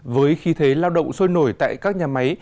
với khí thế lao động sôi nổi tại các nhà máy